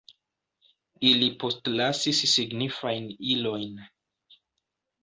Ili postlasis signifajn ilojn.